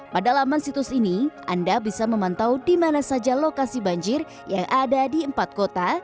pada laman situs ini anda bisa memantau di mana saja lokasi banjir yang ada di empat kota